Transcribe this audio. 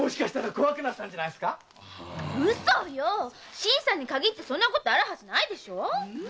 新さんにかぎってそんなことあるはずないでしょ